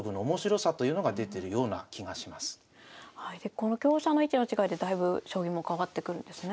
この香車の位置の違いでだいぶ将棋も変わってくるんですね。